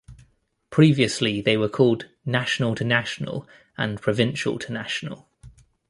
Previously they were called 'National to National' and 'Provincial to National'.